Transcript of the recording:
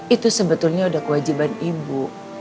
itu sebetulnya sudah kewajiban ibu